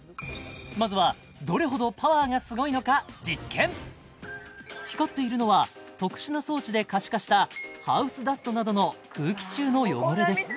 まずはどれほどパワーがすごいのか実験光っているのは特殊な装置で可視化したハウスダストなどの空気中の汚れです